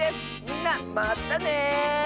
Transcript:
みんなまたね！